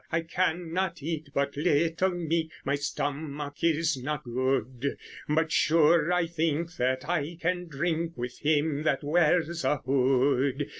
I can not eate but lytle meate, My stomacke is not good; But sure I thinke that I can dryncke With him that weares a hood.